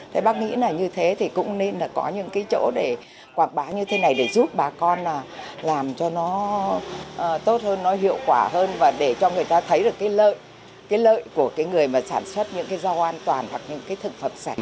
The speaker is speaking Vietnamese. thế bác nghĩ là như thế thì cũng nên có những chỗ để quảng bá như thế này để giúp bà con làm cho nó tốt hơn nó hiệu quả hơn và để cho người ta thấy được lợi của người sản xuất những rau an toàn hoặc những thực phẩm sạch